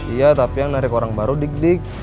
iya tapi yang menarik orang baru dik dik